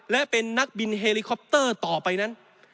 และเป็นนักบินเฮลิคอปเตอร์ต่อไปนั้น